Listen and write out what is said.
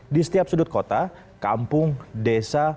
di setiap sudut kota kampung desa